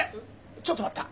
ちょっと待った。